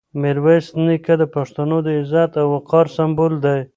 میرویس نیکه د پښتنو د عزت او وقار سمبول دی.